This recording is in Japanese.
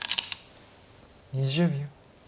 ２０秒。